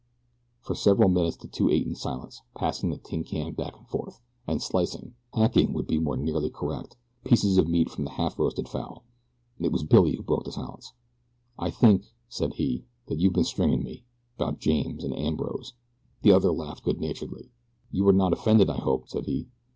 For several minutes the two ate in silence, passing the tin can back and forth, and slicing hacking would be more nearly correct pieces of meat from the half roasted fowl. It was Billy who broke the silence. "I think," said he, "that you been stringin' me 'bout James and ambrose." The other laughed good naturedly. "You are not offended, I hope," said he.